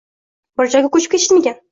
Biror joyga ko`chib ketishdimikin